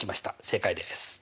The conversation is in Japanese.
正解です。